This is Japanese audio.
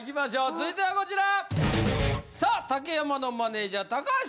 続いてはこちら。